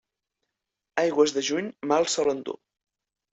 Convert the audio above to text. Aigües de juny, mals solen dur.